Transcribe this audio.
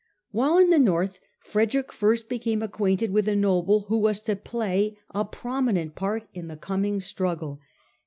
While in the North, Frederick first became acquainted with a noble who was to play a prominent part in the coming struggle.